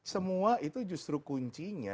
semua itu justru kuncinya